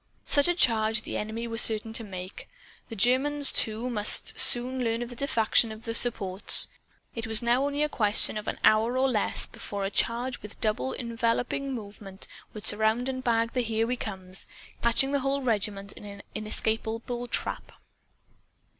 Such a charge the enemy were certain to make. The Germans, too, must soon learn of the defection of the supports. It was now only a question of an hour or less before a charge with a double enveloping movement would surround and bag the Here We Comes, catching the whole regiment in an inescapable trap.